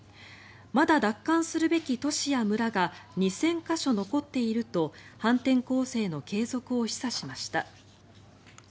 まだ奪還するべき都市や村が２０００か所残っていると反転攻勢の継続を示唆しました。